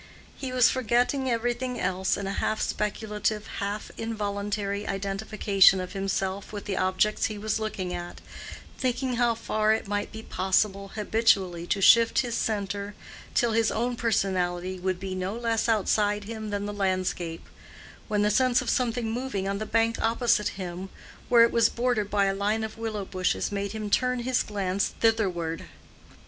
He was forgetting everything else in a half speculative, half involuntary identification of himself with the objects he was looking at, thinking how far it might be possible habitually to shift his centre till his own personality would be no less outside him than the landscape—when the sense of something moving on the bank opposite him where it was bordered by a line of willow bushes, made him turn his glance thitherward.